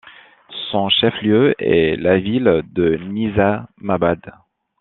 Son chef-lieu est la ville de Nizamabad.